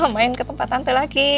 main ke tempat tante lagi